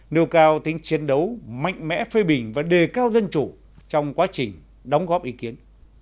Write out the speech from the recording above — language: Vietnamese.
nêu cao tính chiến đấu mạnh mẽ phê bình và đề cao dân chủ trong quá trình đóng góp ý kiến